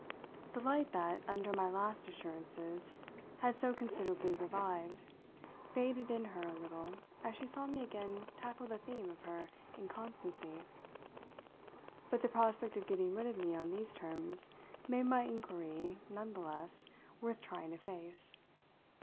The light that, under my last assurances, had so considerably revived faded in her a little as she saw me again tackle the theme of her inconstancy; but the prospect of getting rid of me on these terms made my inquiry, none the less, worth trying to face.